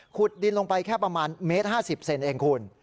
ขุดดินลงไปแค่ประมาณ๑๕๐เซนต์เองคุณ